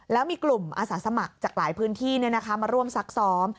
แล้วมีกลุ่มอาสาสมัครจากหลายพื้นที่มาร่วมซักซ้อม